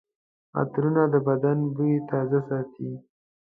عطرونه د بدن بوی تازه ساتي.